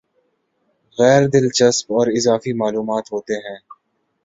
غیر دلچسپ اور اضافی معلوم ہوتے ہیں